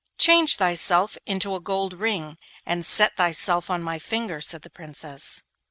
'Change thyself into a gold ring, and set thyself on my finger,' said the Princess.